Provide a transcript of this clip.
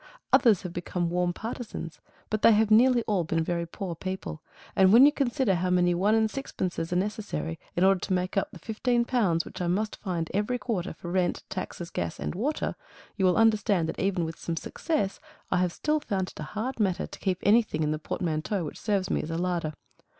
Others have become warm partisans. But they have nearly all been very poor people; and when you consider how many one and sixpences are necessary in order to make up the fifteen pounds which I must find every quarter for rent, taxes, gas and water, you will understand that even with some success, I have still found it a hard matter to keep anything in the portmanteau which serves me as larder.